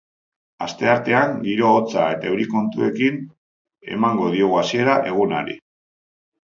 Asteartean, giro hotza eta euri kontuekin emango diogu hasiera egunari.